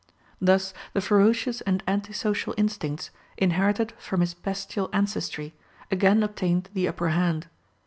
Thus the ferocious and anti social instincts, inherited from his bestial ancestry, again obtained the upper hand.